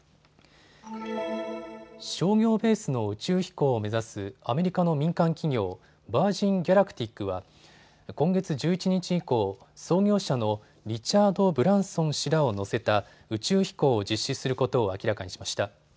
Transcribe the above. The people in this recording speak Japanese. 商業ベースの宇宙飛行を目指すアメリカの民間企業、ヴァージン・ギャラクティックは今月１１日以降、創業者のリチャード・ブランソン氏らを乗せた宇宙飛行を実施することを明らかにしました。